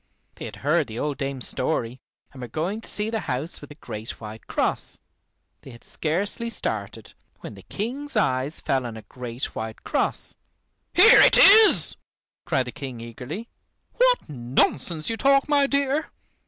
They had heard the old dame's story, and were going to see the house with the great white cross. They had scarcely started, when the King's eyes fell on a great white cross! "Here it is," cried the King eagerly. "What nonsense you talk, my dear!